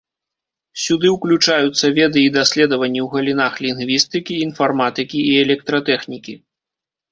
Сюды ўключаюцца веды і даследаванні ў галінах лінгвістыкі, інфарматыкі і электратэхнікі.